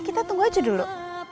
kita tunggu aja dulu